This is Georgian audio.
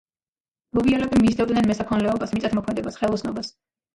ლუვიელები მისდევდნენ მესაქონლეობას, მიწათმოქმედებას, ხელოსნობას.